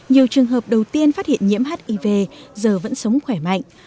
nhiều trường hợp đầu tiên phát hiện nhiễm hiv giờ vẫn sống khỏe mạnh